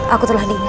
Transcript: aku telah diingatkan